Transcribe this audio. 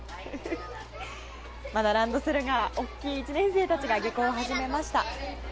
まだランドセルが大きい１年生たちが下校を始めました。